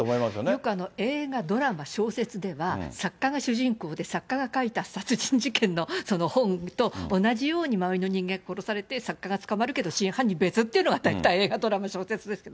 よく、映画、ドラマ、小説では、作家が主人公で、作家が書いた殺人事件の本と同じように周りの人間が殺されて、作家が捕まるけど、真犯人別っていうのが大体、映画、ドラマ、小説ですよ。